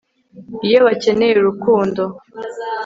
iyo bakeneye urukundo